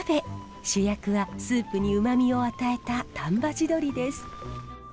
主役はスープにうまみを与えた丹波地鶏です。